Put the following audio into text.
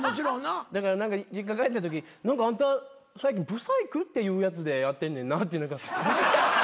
だから実家帰ったとき何かあんた最近不細工っていうやつでやってんねんなって。